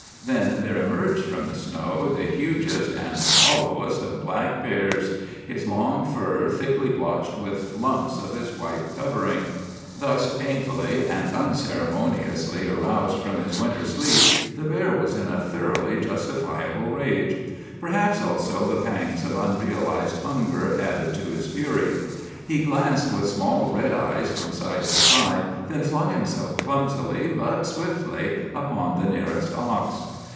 Then there emerged from the snow the hugest and hollowest of black bears, his long fur thickly blotched with lumps of his white covering. "Thus painfully and unceremoniously aroused from his winter sleep, the bear was in a thoroughly justifiable rage. Perhaps also the pangs of unrealized hunger added to his fury. He glanced with small red eyes from side to side, then flung himself clumsily but swiftly upon the nearest ox.